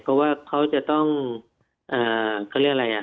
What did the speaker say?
เพราะว่าเขาจะต้องเขาเรียกอะไรอ่ะ